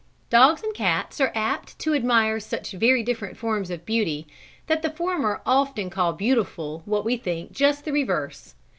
Dogs and cats are apt to admire such very different forms of beauty, that the former often call beautiful what we think just the reverse.